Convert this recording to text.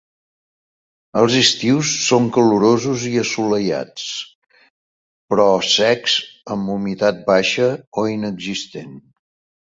Els estius són calorosos i assolellats, però secs, amb humitat baixa o inexistent.